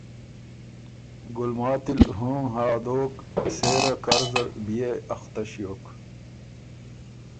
ګلماتی ل هُوں هاں دوک، سېره کر زر بيې اختۀ ݭیوک